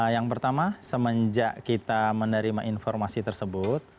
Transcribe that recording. yang pertama semenjak kita menerima informasi tersebut